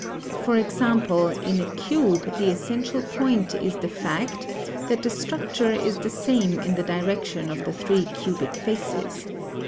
For example, in a cube the essen tial point is the fact that the structure is the same in CRYSTALLOGRAPHY 251 the direction of the three cubic faces.